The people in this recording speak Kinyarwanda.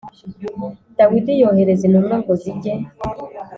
Dawidi yohereza intumwa ngo zijye